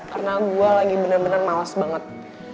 karena gue lagi bener bener malas banget